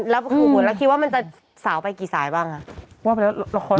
แล้วคิดว่ามันจะสาวไปกี่สายบ้าง